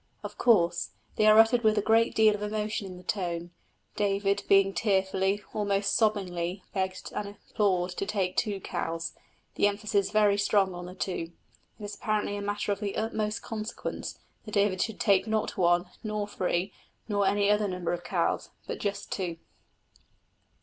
Of course they are uttered with a great deal of emotion in the tone, David being tearfully, almost sobbingly, begged and implored to take two cows; the emphasis is very strong on the two it is apparently a matter of the utmost consequence that David should not take one, nor three, nor any other number of cows, but just two.